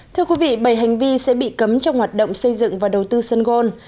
thưa quý vị bảy hành vi sẽ bị cấm trong hoạt động xây dựng và đầu tư sun gold